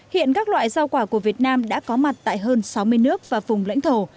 hiện các loại rau quả của việt nam đã có mặt tại hơn sáu mươi nước và vùng lãnh thổ